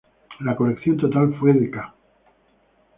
La colección total fue de ca.